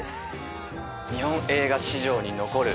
日本映画史上に残る。